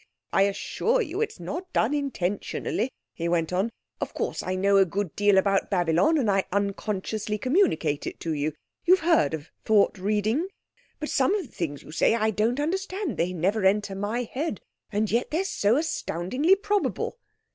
"I assure you it is not done intentionally," he went on. "Of course I know a good deal about Babylon, and I unconsciously communicate it to you; you've heard of thought reading, but some of the things you say, I don't understand; they never enter my head, and yet they're so astoundingly probable."